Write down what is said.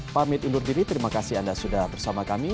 pamit undur diri terima kasih anda sudah bersama kami